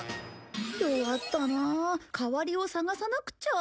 弱ったなあ代わりを探さなくちゃ。